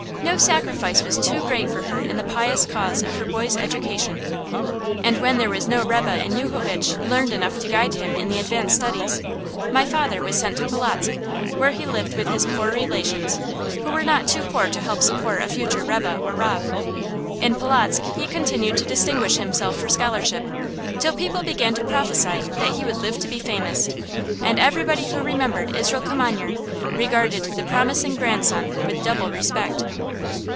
No sacrifice was too great for her in the pious cause of her boy's education. And when there was no rebbe in Yuchovitch learned enough to guide him in the advanced studies, my father was sent to Polotzk, where he lived with his poor relations, who were not too poor to help support a future rebbe or rav. In Polotzk he continued to distinguish himself for scholarship, till people began to prophesy that he would live to be famous; and everybody who remembered Israel Kimanyer regarded the promising grandson with double respect.